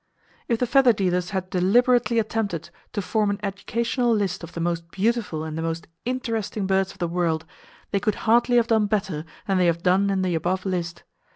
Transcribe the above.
If the feather dealers had deliberately attempted to form an educational list of the most beautiful and the most interesting birds of the world, they could hardly have done better than they have done in the above list.